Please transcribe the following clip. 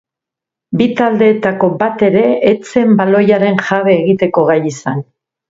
Bi taldeetako bat ere ez zen baloiaren jabe egiteko gai izan.